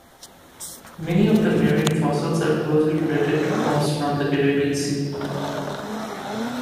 Many of the marine fossils are closely related to forms from the Caribbean Sea.